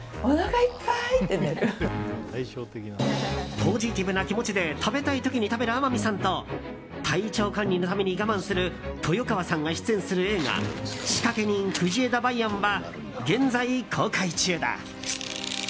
ポジティブな気持ちで食べたい時に食べる天海さんと体調管理のために我慢する豊川さんが出演する映画「仕掛人・藤枝梅安」は現在、公開中だ。